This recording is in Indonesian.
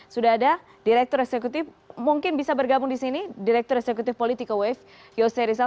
sudah ada direktur eksekutif mungkin bisa bergabung di sini direktur eksekutif politika wave yose rizal